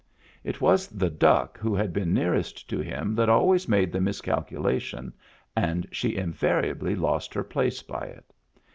It was the duck who had been nearest to him that always made the miscalculation, and she invariably lost her place by it.